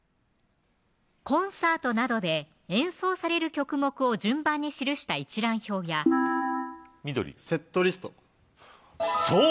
コンサートなどで演奏される曲目を順番に記した一覧表や緑セットリストそう